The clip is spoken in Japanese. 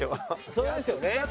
それですよね。